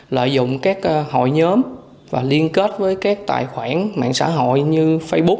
lợi dụng các hội nhóm và liên kết với các tài khoản mạng xã hội như facebook